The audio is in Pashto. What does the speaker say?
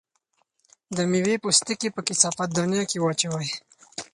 د مېوو پوستکي په کثافاتدانۍ کې واچوئ.